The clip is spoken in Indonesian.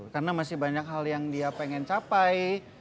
karena masih banyak hal yang dia pengen capai